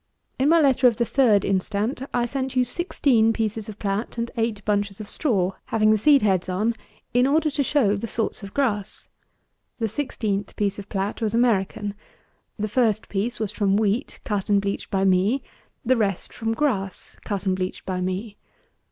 In my letter of the 3d instant I sent you sixteen pieces of plat and eight bunches of straw, having the seed heads on, in order to show the sorts of grass. The sixteenth piece of plat was American. The first piece was from wheat cut and bleached by me; the rest from grass cut and bleached by me.